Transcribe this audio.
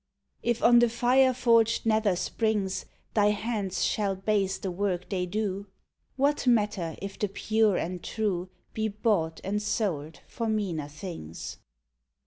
If on the fire forged nether springs Thy hands shall base the work they do, What matter if the pure and true Be bought and sold for meaner things